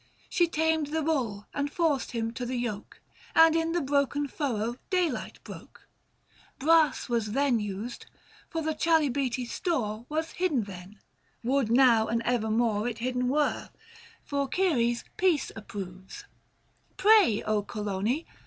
She tamed the bull, and forced him to the yoke, And in the broken furrow daylight broke. 450 Brass was then used, for the chalybeate store Was hidden then : would now and evermore It hidden were ; for Ceres peace approves ; Pray, Coloni